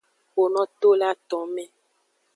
Kpono to le aton me.